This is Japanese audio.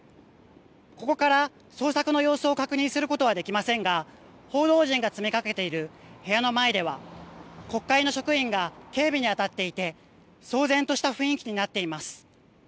ここから捜索の様子を確認することはできませんが報道陣が詰め掛けている部屋の前では国会の職員が警備に当たっていて騒然とした雰囲気になっています。